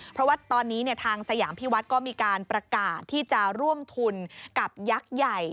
เพราะว่าตอนนี้ทางสยามพิวัฒน์ก็มีการประกาศที่จะร่วมทุนกับยักษ์ใหญ่